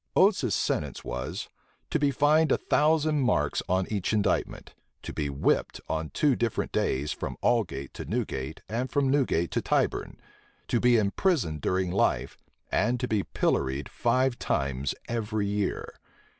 Oates's sentence was, to be fined a thousand marks on each indictment, to be whipped on two different days from Aldgate to Newgate, and from Newgate to Tyburn, to be imprisoned during life, and to be pilloried five times every year.